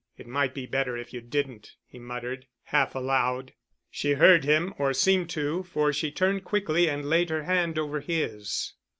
"It might be better if you didn't," he muttered, half aloud. She heard him, or seemed to, for she turned quickly and laid her hand over his.